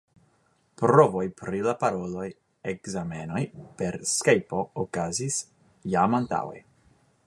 Provoj pri la parolaj ekzamenoj per Skajpo okazis jam antaŭe.